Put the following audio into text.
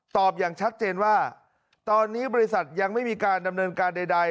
อย่างชัดเจนว่าตอนนี้บริษัทยังไม่มีการดำเนินการใด